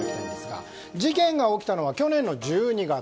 事件が起きたのは去年の１２月。